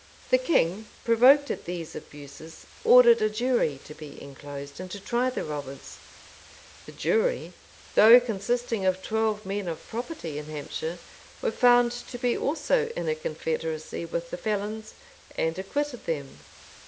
The king, provoked at these abuses, ordered a jury to be enclosed, and to try the robbers: the jury, though consisting of twelve men of property in Hampshire, were found to be also in a confederacy with the felons, and acquitted them.